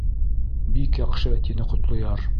Бик яҡшы, — тине Ҡотлояр.